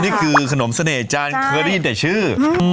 นี่คือขนมเสน่หจานเคยได้ยินแต่ชื่อ